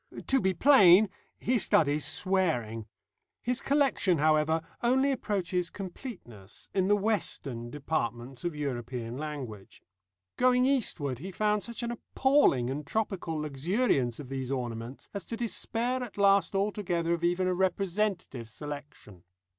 To be plain, he studies swearing. His collection, however, only approaches completeness in the western departments of European language. Going eastward he found such an appalling and tropical luxuriance of these ornaments as to despair at last altogether of even a representative selection.